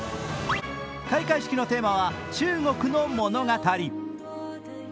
開会式のテーマは「中国の物語」。